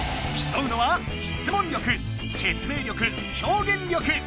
きそうのは「質問力」「説明力」「表現力」！